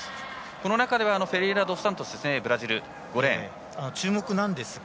この中ではフェレイラドスサントスブラジル、５レーンですか。